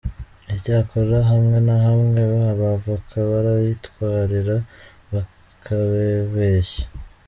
Icyakora hamwe na hamwe abavoka barayitwarira bakababeshya.